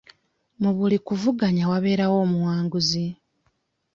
Mu buli kuvuganya wabeerawo omuwanguzi.